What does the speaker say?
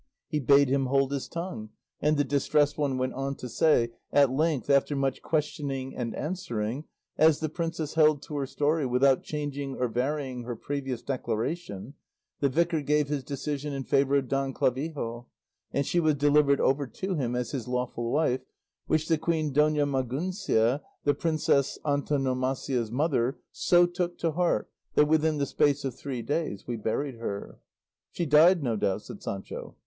He bade him hold his tongue, and the Distressed One went on to say: "At length, after much questioning and answering, as the princess held to her story, without changing or varying her previous declaration, the Vicar gave his decision in favour of Don Clavijo, and she was delivered over to him as his lawful wife; which the Queen Dona Maguncia, the Princess Antonomasia's mother, so took to heart, that within the space of three days we buried her." "She died, no doubt," said Sancho.